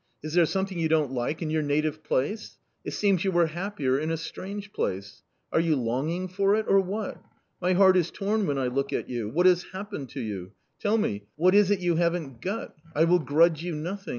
Is there something you don't like in your native place ? It seems you were happier in a strange place ; are you longing for it, or what ? My heart is torn when I look at you. What has happened to you ? tell me, what is it you haven't got ? I will grudge you nothing.